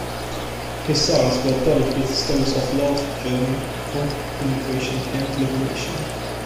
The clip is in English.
His songs were dotted with stories of love, journey, hope, immigration, and liberation.